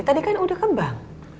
tadi kan udah ke bank